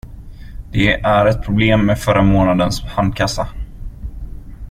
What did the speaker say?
Det är ett problem med förra månadens handkassa.